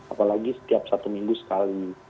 apalagi setiap satu minggu sekali